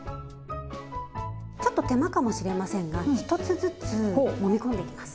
ちょっと手間かもしれませんが１つずつもみ込んでいきます。